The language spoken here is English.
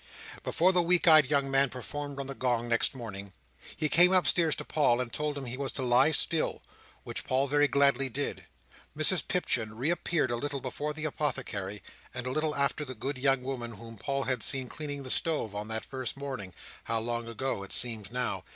Before the weak eyed young man performed on the gong next morning, he came upstairs to Paul and told him he was to lie still, which Paul very gladly did. Mrs Pipchin reappeared a little before the Apothecary, and a little after the good young woman whom Paul had seen cleaning the stove on that first morning (how long ago it seemed now!)